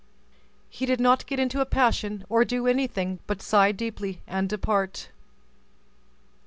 He did not get into a passion, or do anything but sigh deeply, and depart.